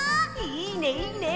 いいねいいね。